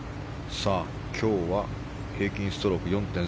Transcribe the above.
今日は平均ストローク４．３７０。